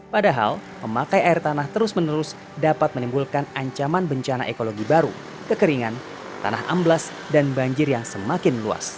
padahal pemakai air tanah terus menerus dapat menimbulkan ancaman bencana ekologi baru kekeringan tanah amblas dan banjir yang semakin luas